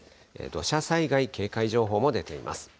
土砂災害警戒情報も出ています。